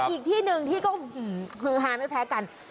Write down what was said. อีกที่หนึ่งที่ก็ฮือฮาไม่แพ้กัน